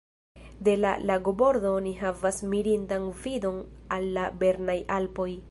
De la lagobordo oni havas mirindan vidon al la Bernaj Alpoj.